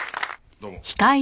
どうも。